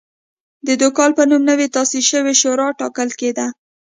د دوکال په نوم نوې تاسیس شوې شورا ټاکل کېده.